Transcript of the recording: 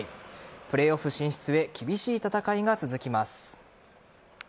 プレーオフ進出へ厳しい戦いが続きます。